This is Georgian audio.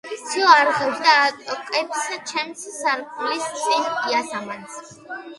სიო არხევს და ატოკებს ჩემს სარკმლის წინ იასამანს